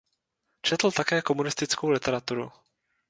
Četl také komunistickou literaturu.